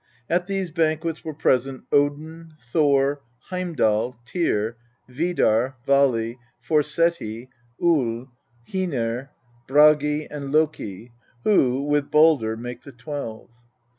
At these banquets were present Odin, Thor, Heimdal, Tyr, Vidar, Vali, Forseti, Uil, Hcenir, Bragi, and Loki, who, with baldr, make the twelve.